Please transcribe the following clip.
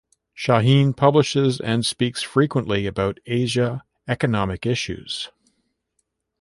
Shaheen publishes and speaks frequently about Asia economic issues.